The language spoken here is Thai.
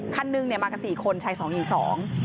ขั้นหนึ่งมากับ๔คนชาย๒ยิง๒